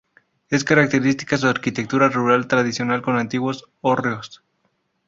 Es característica su arquitectura rural tradicional con antiguos hórreos.